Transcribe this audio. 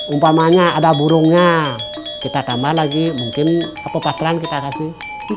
umpamanya ada burungnya kita tambah lagi mungkin kepepatan kita kasih